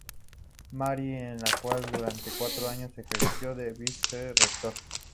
Mary, en el cual durante cuatro años ejerció de Vice-Rector.